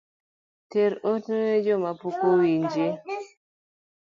Ter ote ne jomapok owinje